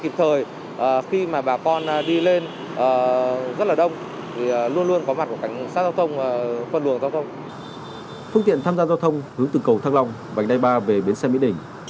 phương tiện tham gia giao thông hướng từ cầu thăng long vành đai ba về bến xe mỹ đình